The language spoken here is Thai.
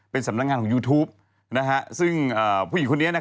เป็นสำนักงานของยูทูปซึ่งผู้หญิงคนนี้